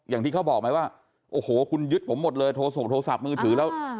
อย่างที่เขาบอกไหมว่าโอ้โหคุณยึดผมหมดเลยโทรส่งโทรศัพท์มือถือแล้ว